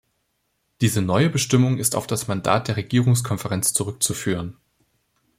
Diese neue Bestimmung ist auf das Mandat der Regierungskonferenz zurückzuführen.